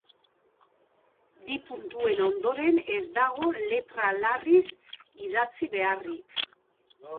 Bi puntuen ondoren ez dago letra larriz idatzi beharrik.